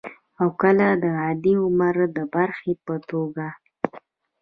او کله د عادي عمر د برخې په توګه